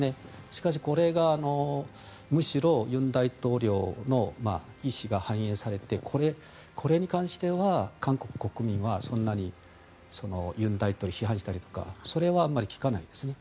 しかし、これがむしろ尹大統領の意志が反映されてこれに関しては韓国国民はそんなに尹大統領を批判したりとかそれはあんまり聞かないんですね。